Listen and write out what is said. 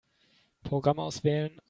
Programm auswählen.